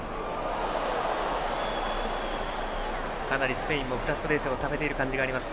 かなりスペインもフラストレーションをためている感じがあります。